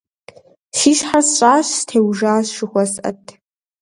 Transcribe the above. Си щхьэр сщӀащ – «стеужащ» жыхуэсӀэт.